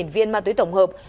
một mươi hai viên ma túy tổng hợp